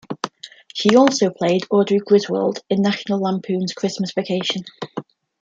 She also played Audrey Griswold in "National Lampoon's Christmas Vacation".